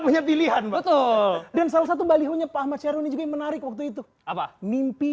punya pilihan betul dan salah satu balihonya pak ahmad syaruni juga yang menarik waktu itu apa mimpi